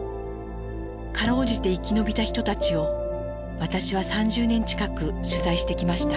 かろうじて生き延びた人たちを私は３０年近く取材してきました。